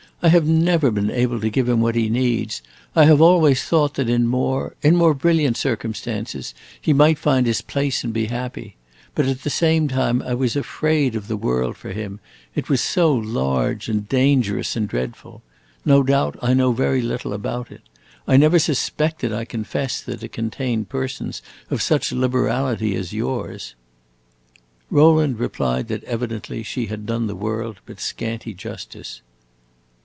I have never been able to give him what he needs. I have always thought that in more in more brilliant circumstances he might find his place and be happy. But at the same time I was afraid of the world for him; it was so large and dangerous and dreadful. No doubt I know very little about it. I never suspected, I confess, that it contained persons of such liberality as yours." Rowland replied that, evidently, she had done the world but scanty justice.